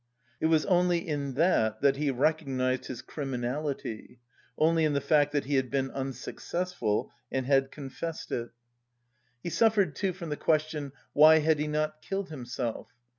It was only in that that he recognised his criminality, only in the fact that he had been unsuccessful and had confessed it. He suffered too from the question: why had he not killed himself?